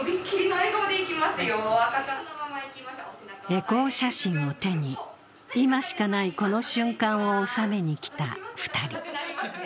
エコー写真を手に、今しかないこの瞬間を収めに来た２人。